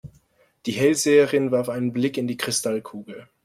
Die Hellseherin warf einen Blick in die Kristallkugel.